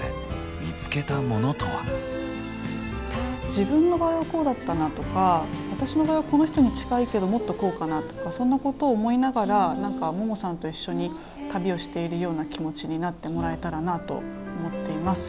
自分の場合はこうだったなとか私の場合はこの人に近いけどもっとこうかなとかそんなことを思いながら何かももさんと一緒に旅をしているような気持ちになってもらえたらなと思っています。